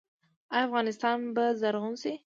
آیا افغانستان به زرغون شي؟